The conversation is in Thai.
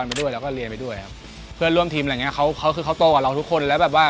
เพราะว่าฟุตซอลลีกก็มันก็เป็นอาชีพ